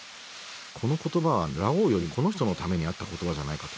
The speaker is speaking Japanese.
この言葉はラオウよりこの人のためにあった言葉じゃないかと。